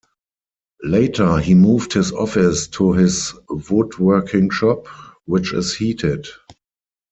Later, he moved his office to his woodworking shop, which is heated.